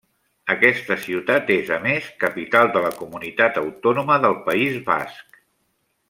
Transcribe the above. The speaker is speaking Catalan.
Aquesta ciutat és, a més, capital de la comunitat autònoma del País Basc.